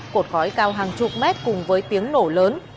cột khói cao hàng chục mét cùng với tiếng nổ lớn